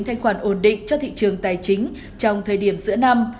thanh khoản ổn định cho thị trường tài chính trong thời điểm giữa năm